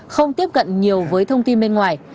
không tiếp cận nhiều với thông tin bên ngoài